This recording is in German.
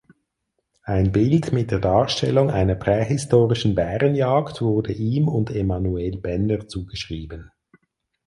Ein Bild mit der Darstellung einer prähistorischen Bärenjagd wurde ihm und Emmanuel Benner zugeschrieben.